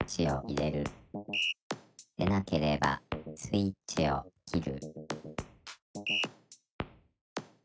「でなければスイッチを切る」